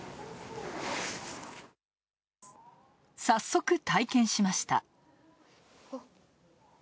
早速、体験しました。